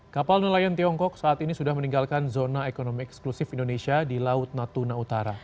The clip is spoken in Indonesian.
kapal nelayan tiongkok saat ini sudah meninggalkan zona ekonomi eksklusif indonesia di laut natuna utara